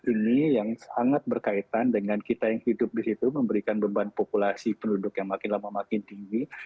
ini yang sangat berkaitan dengan kita yang hidup di situ memberikan beban populasi penduduk yang makin lama makin tinggi